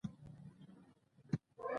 جامې یې څنګه دي؟